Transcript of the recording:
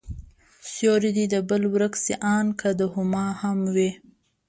سيورى دي د بل ورک شي، آن که د هما هم وي